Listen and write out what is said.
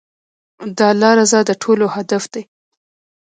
د الله رضا د ټولو هدف دی.